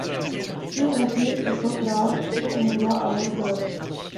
Fût-on Christ ou Socrate, eût-on droit à l’orgueil